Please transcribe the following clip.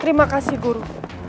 terima kasih guru